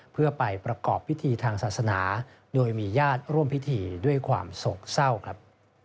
เพื่อไปประกอบพิธีทางศาสนาโดยมีญาติร่วมพิธีด้วยความโศกเศร้าครับ